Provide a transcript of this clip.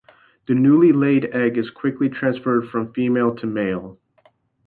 The newly laid egg is quickly transferred from female to male.